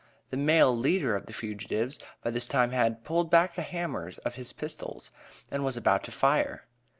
The male leader of the fugitives by this time had "pulled back the hammers" of his "pistols," and was about to fire!